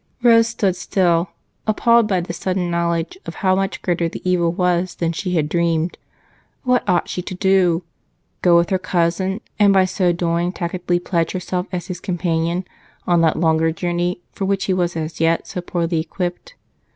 Rose stood still, appalled by this sudden knowledge of how much greater the evil was than she had dreamed. What ought she to do? Go with her cousin, and by so doing tacitly pledge herself as his companion on that longer journey for which he was as yet so poorly equipped?